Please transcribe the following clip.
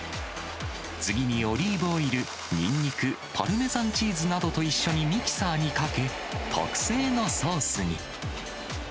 次にオリーブオイル、にんにく、パルメザンチーズなどと一緒にミキサーにかけ、特製のソースに。